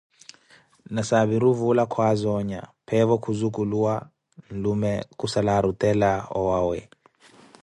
Nasaapiru vuula kwaaza onya, peevo khuzuculuwa, nlume kusaala arutela owawe.